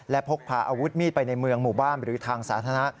และพกพาอาวุธมีดไปในเมืองหมู่บ้านหรือทางสาธารณะ